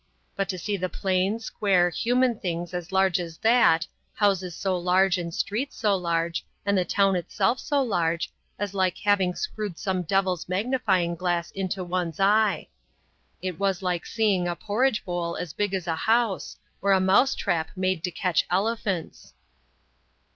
But to see the plain, square, human things as large as that, houses so large and streets so large, and the town itself so large, was like having screwed some devil's magnifying glass into one's eye. It was like seeing a porridge bowl as big as a house, or a mouse trap made to catch elephants."